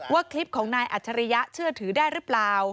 ว่าคลิปของนายอัจฉริยะเชื่อถือได้หรือเปล่า